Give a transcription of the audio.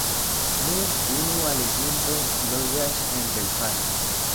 Nur unu aliĝinto loĝas en Belfasto.